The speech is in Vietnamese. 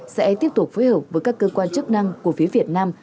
sẽ tiếp tục phối hợp với các cơ quan chức năng của phía việt nam